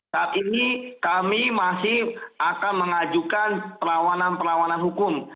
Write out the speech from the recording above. saat ini kami masih akan mengajukan perlawanan perlawanan hukum